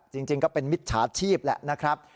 จริงก็เป็นมิจฉาชีพแหละนะครับ